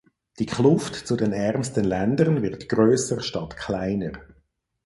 Die Kluft zu den ärmsten Ländern wird größer statt kleiner.